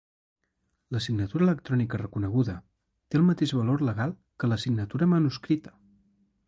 La signatura electrònica reconeguda té el mateix valor legal que la signatura manuscrita.